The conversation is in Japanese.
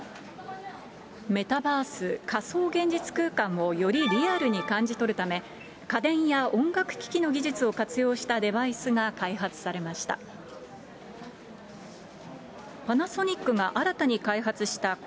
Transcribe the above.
メタバース・仮想現実空間をよりリアルに感じ取るため、家電や音楽機器の技術を活用したデバイスが開発されました。